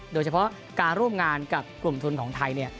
โดยเฉพาะการร่วมงานกับกลุ่มทุนของไทย